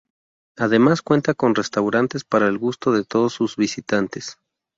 Además cuenta con restaurantes para el gusto de todos sus visitantes.